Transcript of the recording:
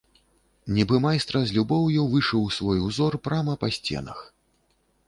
Нібы майстра з любоўю вышыў свой узор прама па сценах.